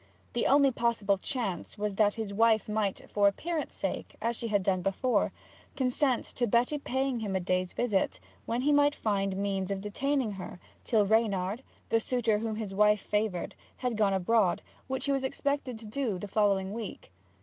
The only possible chance was that his wife might, for appearance' sake, as she had done before, consent to Betty paying him a day's visit, when he might find means of detaining her till Reynard, the suitor whom his wife favoured, had gone abroad, which he was expected to do the following week.